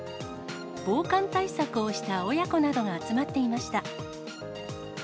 防寒対策をした親子などが集まっていました。